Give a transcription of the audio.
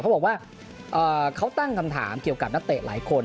เขาบอกว่าเขาตั้งคำถามเกี่ยวกับนักเตะหลายคน